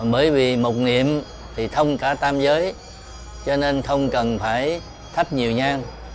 bởi vì một niệm thì thông cả tam giới cho nên không cần phải thắp nhiều nhang